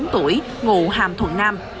sáu mươi bốn tuổi ngụ hàm thuận nam